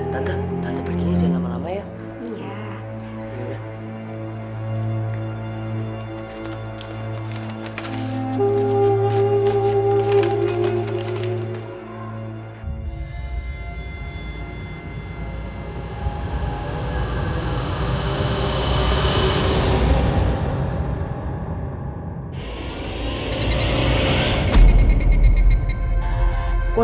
tante tante pergi aja nama nama ya